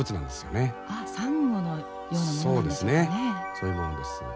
そういうものです。